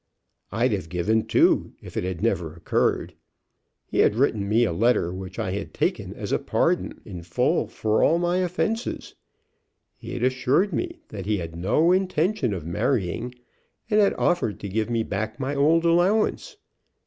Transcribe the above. "I'd have given two if it had never occurred. He had written me a letter which I had taken as a pardon in full for all my offences. He had assured me that he had no intention of marrying, and had offered to give me back my old allowance.